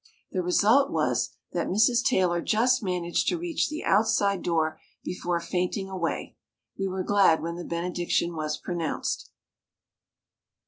The result was that Mrs. Taylor just managed to reach the outside door before fainting away. We were glad when the benediction was pronounced.